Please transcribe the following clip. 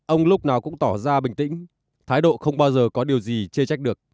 ông lúc nào cũng tỏ ra bình tĩnh thái độ không bao giờ có điều gì chê trách được